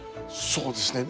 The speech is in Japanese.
そうですね。